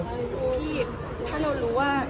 พี่ถ้าเรารู้ว่า